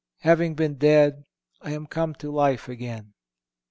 Having been dead, I am come to life again."